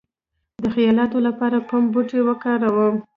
د خیالاتو لپاره کوم بوټي وکاروم؟